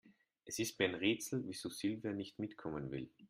Es ist mir ein Rätsel, wieso Silvana nicht mitkommen will.